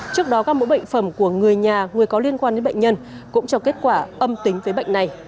trước đó các mẫu bệnh phẩm của người nhà người có liên quan đến bệnh nhân cũng cho kết quả âm tính với bệnh này